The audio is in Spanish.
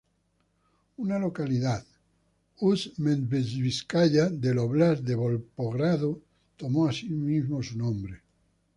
Una localidad, Ust-Medveditskaya, del óblast de Volgogrado tomó asimismo su nombre.